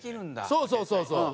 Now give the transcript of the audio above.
そうそうそうそう。